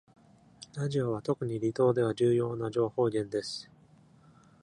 ラジオは、特に離島では重要な情報源です。